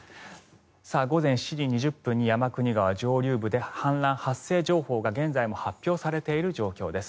午前７時２０分に山国川上流部で氾濫発生情報が現在も発表されている状況です。